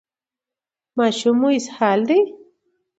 ماشوم مو اسهال دی؟